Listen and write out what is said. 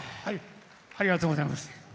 ありがとうございます。